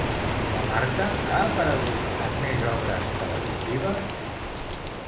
La Marta ha aparegut en més obres televisives?